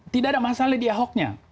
tidak ada masalah di ahoknya